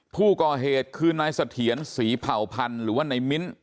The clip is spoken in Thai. ผู้ก่อเหตุคือนายเสถียรศรีเผ่าพันธ์หรือว่าในมิ้น